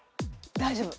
大丈夫。